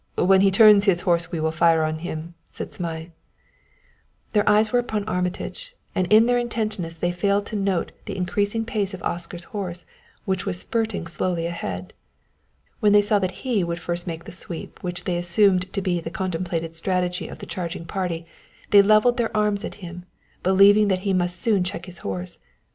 When he turns his horse we will fire on him," said Zmai. Their eyes were upon Armitage; and in their intentness they failed to note the increasing pace of Oscar's horse, which was spurting slowly ahead. When they saw that he would first make the sweep which they assumed to be the contemplated strategy of the charging party, they leveled their arms at him, believing that he must soon check his horse.